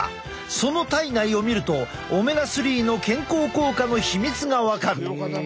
その体内を見るとオメガ３の健康効果の秘密が分かる。